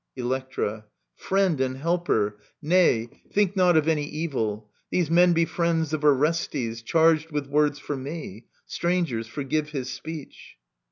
Electra. Friend and helper !— Nay, Think not of any evil. These men be Friends of Orestes, charged with words for me I ... Strangers, forgive his speech.